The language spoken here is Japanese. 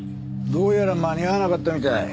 どうやら間に合わなかったみたい。